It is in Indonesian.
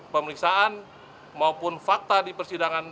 pemeriksaan maupun fakta di persidangan